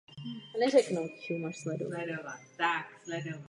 Důsledky testů musí být zcela jasné.